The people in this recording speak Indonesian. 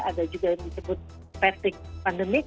ada juga yang disebut fatigue pandemik